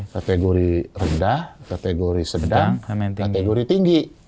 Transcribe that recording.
kategori rendah kategori sedang kategori tinggi